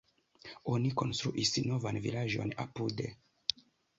Oni konstruis novan vilaĝon apude.